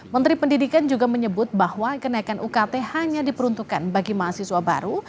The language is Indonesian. menteri pendidikan juga menyebut bahwa kenaikan ukt hanya diperuntukkan bagi mahasiswa baru